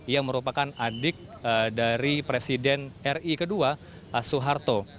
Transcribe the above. ia merupakan adik dari presiden ri ke dua suharto